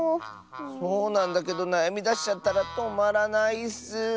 そうなんだけどなやみだしちゃったらとまらないッス。